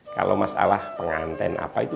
kalau masalah penganten apa itu